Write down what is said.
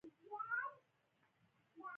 ایا ستاسو حجاب به شرعي نه وي؟